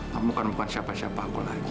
kamu kan bukan siapa siapa aku lagi